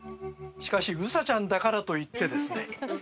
しかしウサちゃんだからといってですね